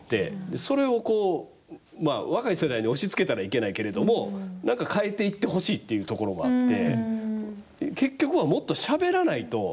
それを若い世代に押しつけたらいけないけれどもなんか変えていってほしいっていうところもあって。